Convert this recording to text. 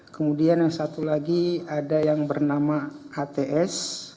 kemudian yang satu lagi ada yang bernama hts